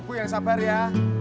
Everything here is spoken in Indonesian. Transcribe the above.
ibu yang sabar ya